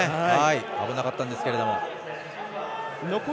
危なかったんですけど。